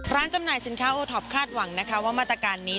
จำหน่ายสินค้าโอท็อปคาดหวังนะคะว่ามาตรการนี้